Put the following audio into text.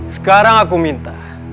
sekarang aku minta